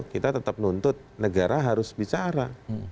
kita tetap nuntut negara harus bicara